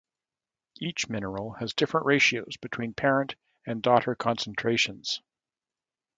Each mineral has different ratios between parent and daughter concentrations.